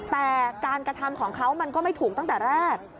แต่การกระทำของเขามันก็ไม่ถูกตั้งแต่แรก